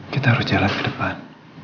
kita harus jalan ke depan